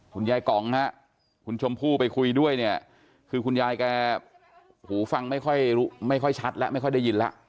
กล่องฮะคุณชมพู่ไปคุยด้วยเนี่ยคือคุณยายแกหูฟังไม่ค่อยชัดแล้วไม่ค่อยได้ยินแล้ว